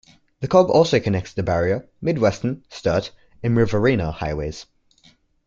The Cobb also connects the Barrier, Mid-Western, Sturt, and Riverina highways.